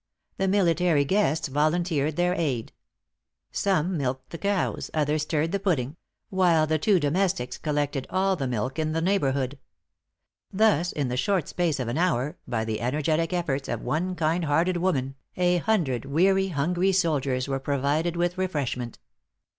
The military guests volunteered their aid. Some milked the cows, others stirred the pudding; while the two domestics collected all the milk in the neighborhood. Thus, in the short space of an hour, by the energetic efforts of one kind hearted woman, a hundred weary, hungry soldiers were provided with refreshment.